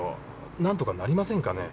なんとかなりませんかね。